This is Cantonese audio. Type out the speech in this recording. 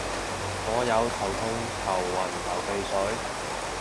我有頭痛頭暈流鼻水